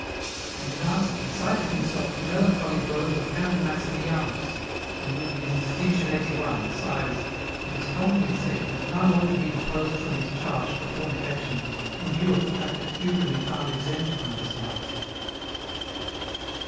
And in answer he cited himself the melancholy glose of Canon Maximianus, who, in his Distinction 81, sighs, "It is commonly said that none ought to be deposed from his charge for fornication, in view of the fact that few can be found exempt from this vice."